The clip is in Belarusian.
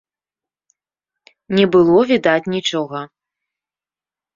Не было відаць нічога.